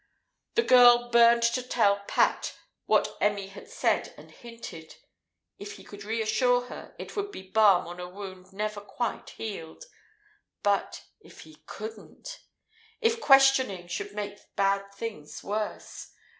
The girl burned to tell "Pat" what Emmy had said and hinted. If he could reassure her, it would be balm on a wound never quite healed. But if he couldn't. If questioning should make bad things worse?